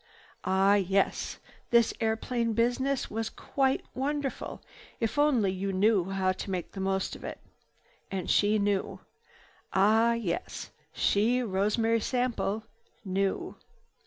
Ah yes, this airplane business was quite wonderful, if only you knew how to make the most of it. And she knew. Ah yes, she, Rosemary Sample, knew.